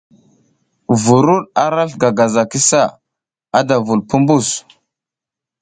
Vuruɗ arasl gagaza ki sa, ada vul pumbus.